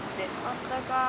あったかい。